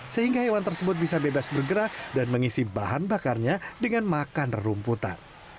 sehingga hewan tersebut bisa bebas bergerak dan mengisi bahan bakarnya dengan makan rumputan